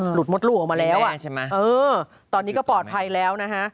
หลุดหมดรูผมมาแล้วตอนนี้ก็ปลอดภัยแล้วนะฮะ